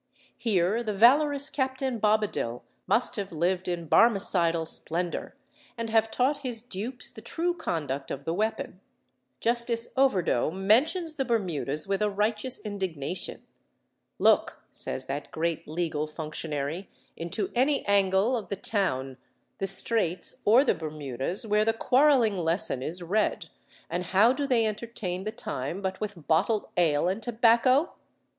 Here the valorous Captain Bobadill must have lived in Barmecidal splendour, and have taught his dupes the true conduct of the weapon. Justice Overdo mentions the Bermudas with a righteous indignation. "Look," says that great legal functionary, "into any angle of the town, the Streights or the Bermudas, where the quarrelling lesson is read, and how do they entertain the time but with bottled ale and tobacco?"